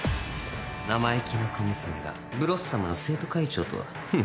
生意気な小娘がブロッサムの生徒会長とはフッ笑止。